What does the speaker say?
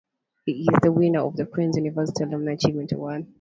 He is the winner of the Queen's University Alumni Achievement Award.